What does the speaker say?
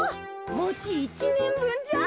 もち１ねんぶんじゃ。